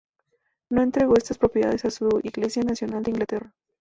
No entregó estas propiedades a su Iglesia nacional de Inglaterra.